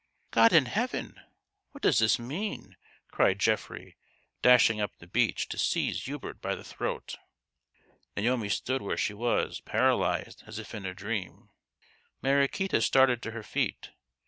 " God in Heaven, what does this mean ?" cried Geoffrey, dashing up the beach, to seize Hubert by the throat. Naomi stood where she was, paralyzed and as if in a dream. i88 THE GHOST OF THE PAST. Mariquita started to her feet.